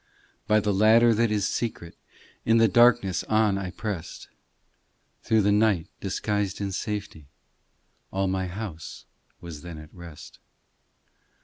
By the ladder that is secret, In the darkness on I pressed, Through the night, disguised in safety, All my house was then at rest.